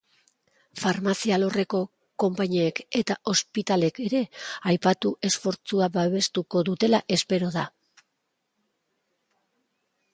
Farmazia alorreko konpainiek eta ospitalek ere aipatu esfortzua babestuko dutela espero da.